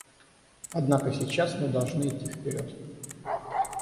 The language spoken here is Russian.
Однако сейчас мы должны идти вперед.